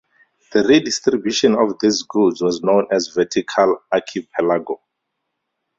The redistribution of these goods was known as vertical archipelago.